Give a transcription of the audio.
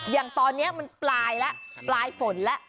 อย่างตอนนี้มันปลายแล้วปลายฝนแล้ว